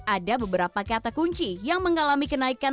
ada beberapa kata kunci yang mengalami kenaikan